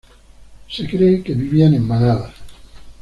Se cree que vivían en manadas.